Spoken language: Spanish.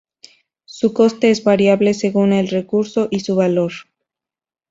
Su coste es variable según el recurso y su valor.